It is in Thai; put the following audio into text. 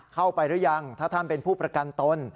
หรือยังถ้าท่านเป็นผู้ประกันตน